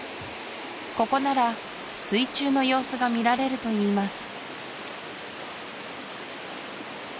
ここなら水中の様子が見られるといいます